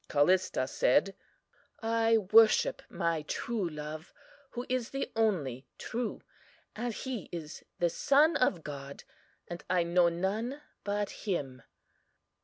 "CALLISTA said: I worship my true Love, who is the Only True; and He is the Son of God, and I know none but Him.